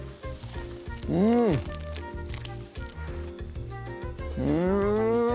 うんうん！